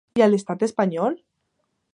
I a l’estat espanyol?